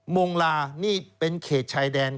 มงลานี่เป็นเขตชายแดน